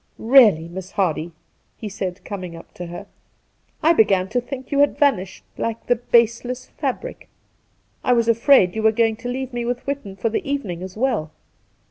' Really, Miss Hardy,' he said, coming up to her, ' I began to think you had vanished like the " base less fabric." I was afraid you were going to leave me with Whitton for the evening as well.'